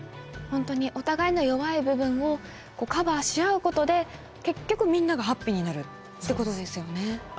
本当にお互いの弱い部分をカバーし合うことで結局みんながハッピーになるってことですよね。